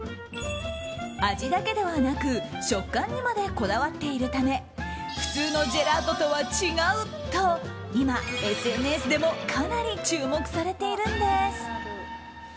味だけではなく食感にまでこだわっているため普通のジェラートとは違うと今、ＳＮＳでもかなり注目されているんです。